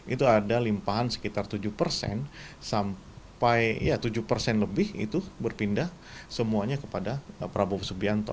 itu ada limpahan sekitar tujuh persen sampai tujuh persen lebih itu berpindah semuanya kepada prabowo subianto